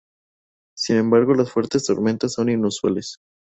Sin embargo las fuertes tormentas son inusuales.